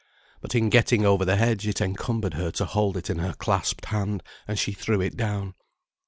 But in getting over the hedge it encumbered her to hold it in her clasped hand, and she threw it down.